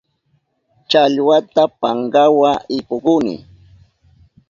Challwata pankawa ipukuni.